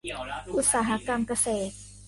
อุตสาหกรรมเกษตร